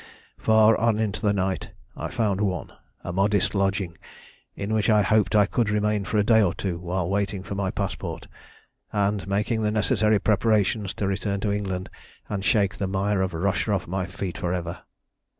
"Far on into the night I found one, a modest lodging, in which I hoped I could remain for a day or two while waiting for my passport, and making the necessary preparations to return to England and shake the mire of Russia off my feet for ever.